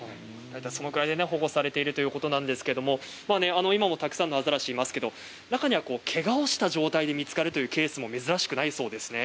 それくらいで保護されているということなんですが、今もたくさんのアザラシがいますが中にはけがをした状態で見つかるケースも珍しくないそうですね。